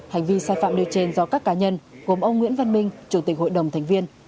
hành vi sai phạm nêu trên do các cá nhân gồm ông nguyễn văn minh chủ tịch hội đồng thành viên